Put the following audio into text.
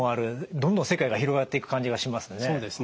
どんどん世界が広がっていく感じがしますね。